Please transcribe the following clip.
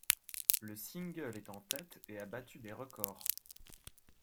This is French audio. Le single est en tête et a battu des records.